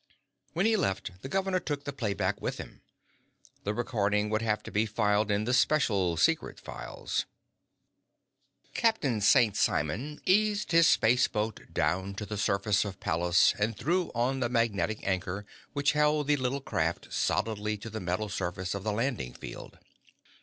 When he left, the governor took the playback with him. The recording would have to be filed in the special secret files. Captain St. Simon eased his spaceboat down to the surface of Pallas and threw on the magnetic anchor which held the little craft solidly to the metal surface of the landing field.